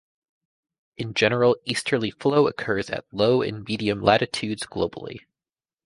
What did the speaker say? In general, easterly flow occurs at low and medium latitudes globally.